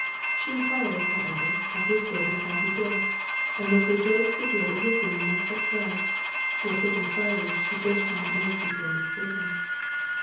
She enquired, however, of his servant how he did, and was rejoiced to hear that his wound was but slight—yet this enquiry she durst not make before Miss Woodley.